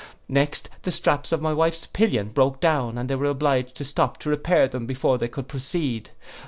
Next the straps of my wife's pillion broke down, and they were obliged to stop to repair them before they could proceed.